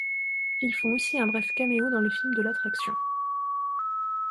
Ils font aussi un bref caméo dans le film de l'attraction '.